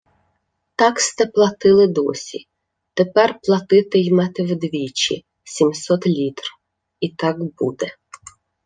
— Так сте платили досі Тепер платити-ймете вдвічі — сімсот літр. І так буде.